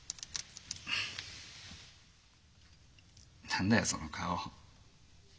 何だよその顔。